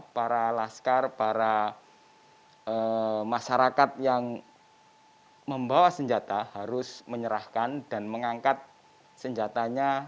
para laskar para masyarakat yang membawa senjata harus menyerahkan dan mengangkat senjatanya